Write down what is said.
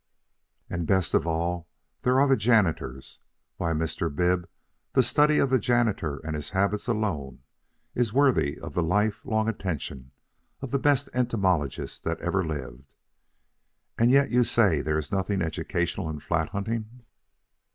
And, best of all, there are the janitors! Why, Mr. Bib, the study of the janitor and his habits alone is worthy of the life long attention of the best entomologist that ever lived and yet you say there is nothing educational in flat hunting."